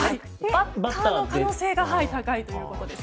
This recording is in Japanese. バッターの可能性が高いということです。